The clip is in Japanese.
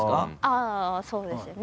ああそうですよね。